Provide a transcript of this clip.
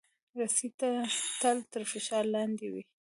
رسۍ تل تر فشار لاندې وي.